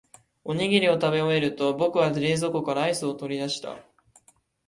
おにぎりを食べ終えると、僕は冷凍庫からアイスを取り出した。